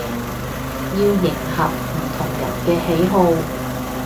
要迎合唔同人嘅喜好